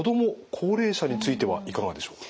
高齢者についてはいかがでしょうか。